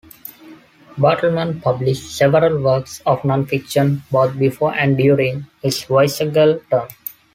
Bartleman published several works of non-fiction, both before and during his viceregal term.